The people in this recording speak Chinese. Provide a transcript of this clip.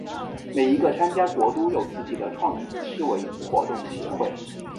每一个参加国都有自己的创意思维活动协会。